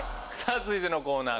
続いてのコーナー